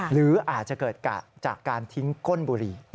หรืออาจจะเกิดจากการทิ้งก้นบุหรี่